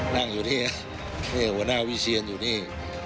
นั่งอยู่ที่หัวหน้าวิเชียนอยู่นี่